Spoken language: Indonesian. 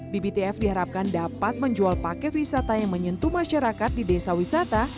bbtf diharapkan dapat menjual paket wisata yang menyentuh masyarakat di desa wisata